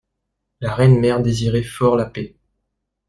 La reine mère désirait fort la paix.